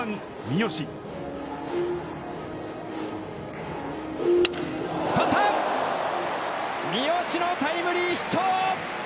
三好のタイムリーヒット！